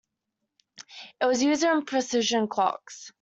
It was used in precision clocks.